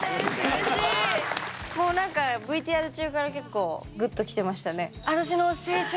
もう何かＶＴＲ中から結構グッときてましたね。